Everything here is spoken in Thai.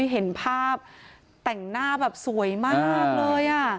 เห็นภาพแต่งหน้าแบบสวยมากเลย